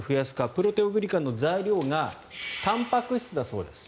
プロテオグリカンの材料がたんぱく質だそうです。